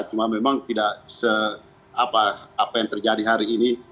cuma memang tidak apa yang terjadi hari ini